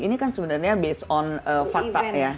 ini kan sebenarnya based on fakta ya